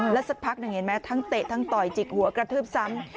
แล้วสักพักหนึ่งเห็นไหมทั้งเตะทั้งต่อยจิกหัวกระทืบซ้ำ